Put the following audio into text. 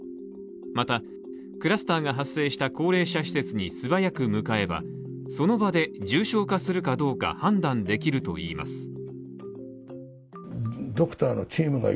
また、クラスターが発生した高齢者施設に素早く向かえばその場で重症化するかどうか判断できるといいます。